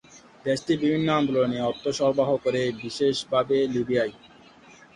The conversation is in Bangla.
দেশটি বিভিন্ন আন্দোলনে অর্থ সরবরাহ করে বিশেষভাবে লিবিয়ায়।